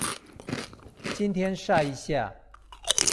今天曬一下